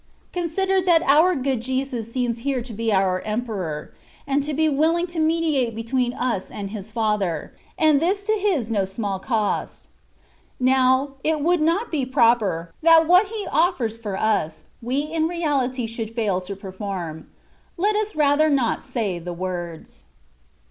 Consider that our good Jesus seems here to be our Emperor, and to be willing to mediate between us and His Father, and this to His no small cost. Now, it would not be proper, that what He offers for us, we in reality should fail to perform : let us rather not say the words.